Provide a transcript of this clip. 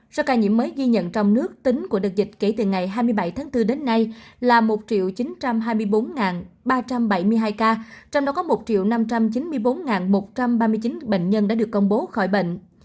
số ca nhiễm mới ghi nhận trong nước tính của đợt dịch kể từ ngày hai mươi bảy tháng bốn đến nay là một chín trăm hai mươi bốn ba trăm bảy mươi hai ca trong đó có một năm trăm chín mươi bốn một trăm ba mươi chín bệnh nhân đã được công bố khỏi bệnh